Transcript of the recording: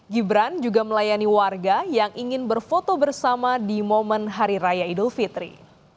gibran juga melayani warga yang ingin berfoto bersama di momen hari raya idul fitri